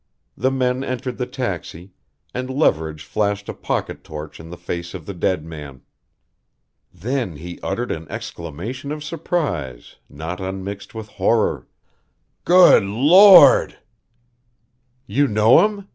The men entered the taxi, and Leverage flashed a pocket torch in the face of the dead man. Then he uttered an exclamation of surprise not unmixed with horror. "Good Lord!" "You know him?"